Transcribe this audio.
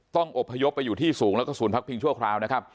อบพยพไปอยู่ที่สูงแล้วก็ศูนย์พักพิงชั่วคราวนะครับ